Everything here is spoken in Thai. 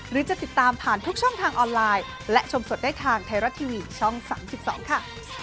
หรือจะติดตามผ่านทุกช่องทางออนไลน์และชมสดได้ทางไทยรัฐทีวีช่อง๓๒ค่ะ